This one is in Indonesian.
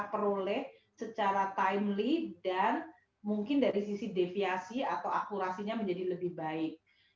peroleh secara timely dan mungkin dari sisi deviasi atau akurasinya menjadi lebih baik